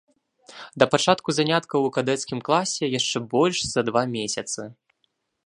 Да пачатку заняткаў ў кадэцкім класе яшчэ больш за два месяцы.